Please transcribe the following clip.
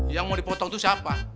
yang mau dipotong itu siapa